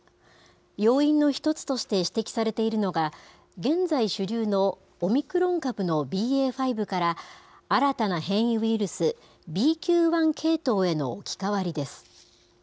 要因の一つとして指摘されているのが、現在主流のオミクロン株のＢＡ．５から、新たな変異ウイルス、ＢＱ．１系統への置き換わりです。